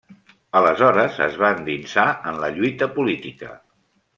Aleshores es va endinsar en la lluita política.